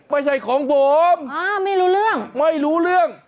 ไม่ใช่ของผมไม่รู้เรื่อง